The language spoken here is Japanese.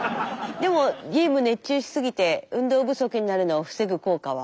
でもゲーム熱中しすぎて運動不足になるのを防ぐ効果は。